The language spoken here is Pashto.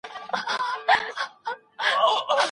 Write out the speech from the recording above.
معلم صاحب زموږ پاڼه نه وه وړاندي کړې.